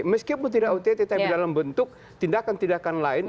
meskipun tidak ott tapi dalam bentuk tindakan tindakan lain